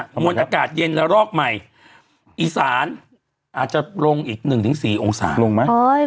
มันอากาศเย็นแล้วรอบใหม่อีสานอาจจะลงอีกหนึ่งถึงสี่องศาลงมั้ย